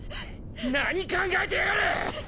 何考えてやがる！